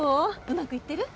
うまくいってる？